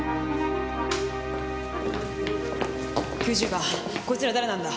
９０番こいつら誰なんだ？